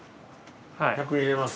１００円入れます。